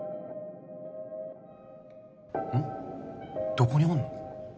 どこにおんの？